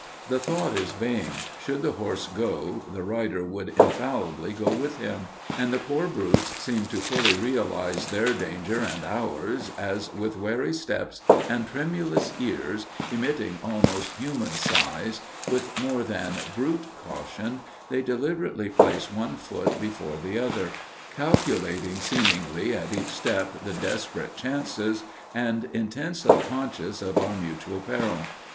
The thought is vain; should the horse go, the rider would infallibly go with him. And the poor brutes seem to fully realize their danger and ours, as with wary steps and tremulous ears, emitting almost human signs, with more than brute caution they deliberately place one foot before the other, calculating seemingly at each step the desperate chances and intensely conscious of our mutual peril.